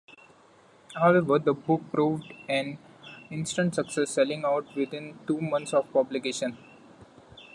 However, the book proved an instant success, selling out within two months of publication.